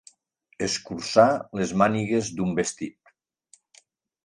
Escurçar les mànigues d'un vestit.